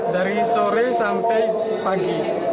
dari sore sampai pagi